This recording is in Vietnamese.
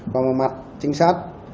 và một mặt trinh sát